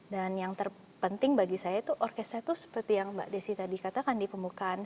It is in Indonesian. dan yang terpenting bagi saya itu orkestra itu seperti yang mbak desy tadi katakan di pembukaan